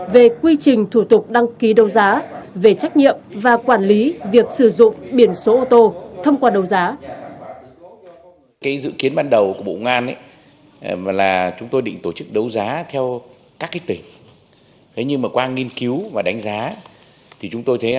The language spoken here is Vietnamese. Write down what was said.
về quy trình thủ tục đăng ký đấu giá về trách nhiệm và quản lý việc sử dụng biển số ô tô thông qua đấu giá